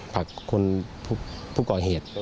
ภากคนพวกกรเหตุ